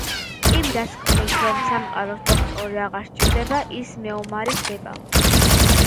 იმ დასკვნით, რომ სამყაროს დოქტორი აღარ სჭირდება, ის მეომარი ხდება.